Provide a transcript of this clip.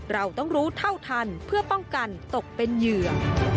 เราต้องรู้เท่าทันเพื่อป้องกันตกเป็นเหยื่อ